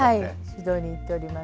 指導に行っております。